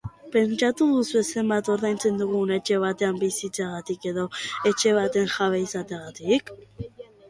Pentsatu duzue zenbat ordaintzen dugun etxe batean bizitzeagatik edo etxe baten jabe izateagatik?